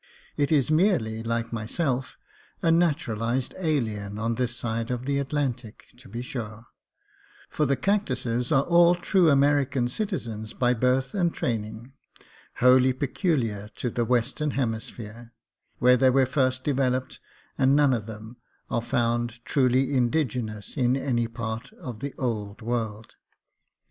It is merely, like myself, a natural ized alien on this side the Atlantic, to be sure ; for the cactuses are all true American citizens by birth and training, wholly pecul iar to the western hemisphere, where they were first developed, and none of them are found truly indigenous in any part of the old world.